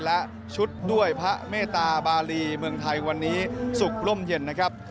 และชุดด้วยพระเมตตาบาลีเมืองไทยวันนี้สุขร่มเย็นนะครับ